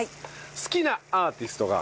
好きなアーティストが。